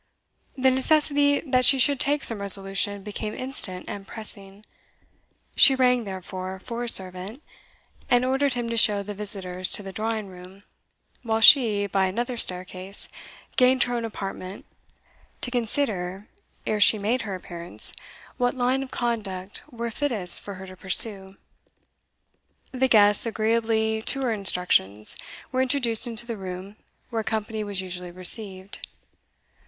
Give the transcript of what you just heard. The necessity that she should take some resolution became instant and pressing; she rang, therefore, for a servant, and ordered him to show the visitors to the drawing room, while she, by another staircase, gained her own apartment, to consider, ere she made her appearance, what line of conduct were fittest for her to pursue. The guests, agreeably to her instructions, were introduced into the room where company was usually received.